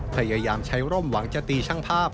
พยายามใช้ร่มหวังจะตีช่างภาพ